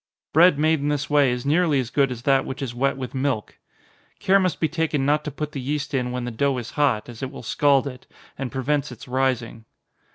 Bread made in this way is nearly as good as that which is wet with milk. Care must be taken not to put the yeast in when the dough is hot, as it will scald it, and prevents its rising.